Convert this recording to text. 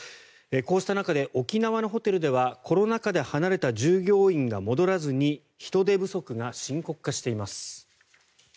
こうした中で沖縄のホテルではコロナ禍で離れた従業員が戻らずに人手不足が深刻化しています。